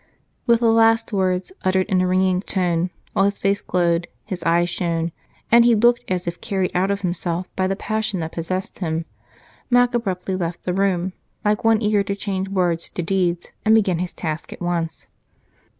With the last words, uttered in a ringing voice while his face glowed, his eyes shone, and he looked as if carried out of himself by the passion that possessed him, Mac abruptly left the room, like one eager to change words to deeds and begin his task at once.